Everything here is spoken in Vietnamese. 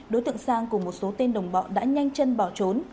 đối tượng sang cùng một số tên đồng bọn đã nhanh chân bỏ trốn